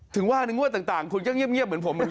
เห็นแม่ได้คุณมีบุญ